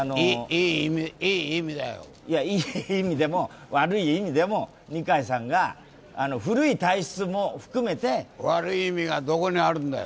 いい意味でも悪い意味でも、二階さんが古い体質も含めて悪い意味がどこにあるんだよ。